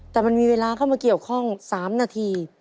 แต่มันมีเวลาเข้ามาเกี่ยวข้อง๓นาที